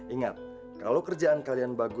ingat kalau kerjaan kalian bagus